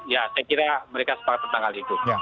ya saya kira mereka sepakat tentang hal itu